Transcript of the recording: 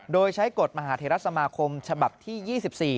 โดยใช้กฎมหาเทรสมาคมฉบับที่๒๔